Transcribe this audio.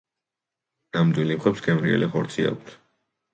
ნამდვილ იხვებს გემრიელი ხორცი აქვთ.